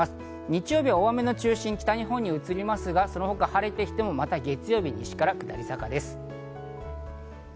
日曜日は大雨の中心地が北日本に移りますが、その他は晴れてきてもまた月曜日、西から下り坂です。